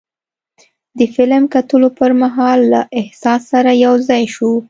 د فلم کتلو پر مهال له احساس سره یو ځای شو.